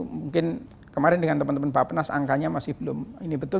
mungkin kemarin dengan teman teman bapak penas angkanya masih belum ini betul